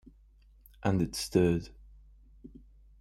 And it stirred.